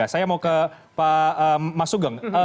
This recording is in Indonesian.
saya mau ke pak mas sugeng